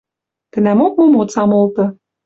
Тӹнӓмок момоцам олты